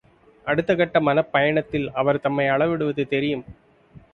அடுத்தகட்ட மனப்பயணத்தில் அவர் தம்மை அளவிடுவது தெரியும்.